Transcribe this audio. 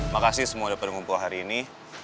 makasih semua udah berkumpul hari ini